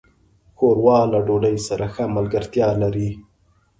ښوروا له ډوډۍ سره ښه ملګرتیا لري.